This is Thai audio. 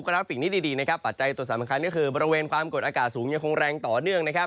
กราฟิกดีกราฟิกดีปัจจัยตัวสำคัญคือบริเวณกฎอากาสสูงต่อเนื่อง